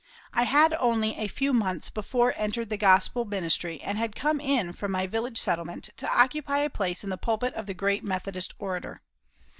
I had only a few months before entered the Gospel ministry, and had come in from my village settlement to occupy a place in the pulpit of the great Methodist orator.